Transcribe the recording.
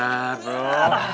ya apa kabar